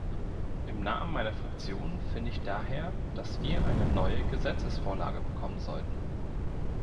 Im Namen meiner Fraktion finde ich daher, dass wir eine neue Gesetzesvorlage bekommen sollten.